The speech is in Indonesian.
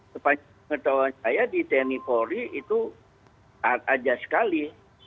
seperti pengetahuan saya di tni polri itu aja sekali